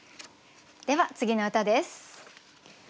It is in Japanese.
では次の歌です。